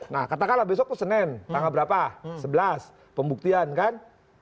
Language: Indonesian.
nah katakanlah besok itu senin tanggal berapa sebelas pembuktian kan